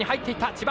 千葉。